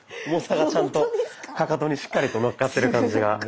重さがちゃんとかかとにしっかりとのっかってる感じが。